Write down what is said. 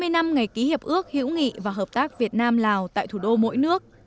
hai mươi năm ngày ký hiệp ước hữu nghị và hợp tác việt nam lào tại thủ đô mỗi nước